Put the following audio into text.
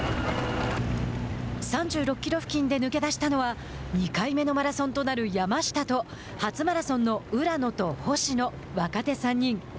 ３６キロ付近で抜け出したのは２回目のマラソンとなる山下と初マラソンの浦野と星の若手３人。